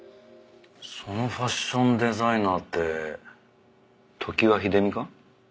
そのファッションデザイナーって常盤秀美か？